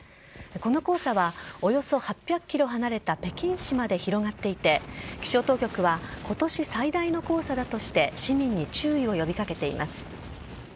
この黄砂はおよそ８００ｋｍ離れた北京市まで広がっていて気象当局は今年最大の黄砂だとして市民に注意を呼び掛けています。